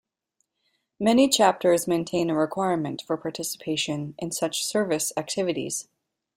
Many chapters maintain a requirement for participation in such service activities.